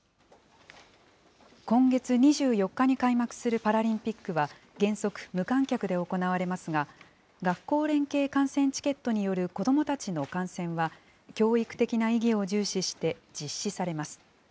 今月２４日に開幕するパラリンピックは、原則、無観客で行われますが、学校連携観戦チケットによる子どもたちの観戦は、教育的な意義を重視して実施されます。